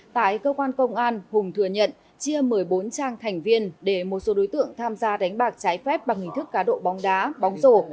tại cơ quan công an hùng thừa nhận chia một mươi bốn trang thành viên để một số đối tượng tham gia đánh bạc trái phép bằng hình thức cá độ bóng đá bóng rổ